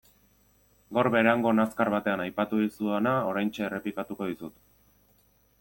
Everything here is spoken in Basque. Gaur Berangon azkar batean aipatu dizudana oraintxe errepikatuko dizut.